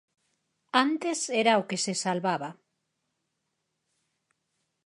Antes era o que se salvaba.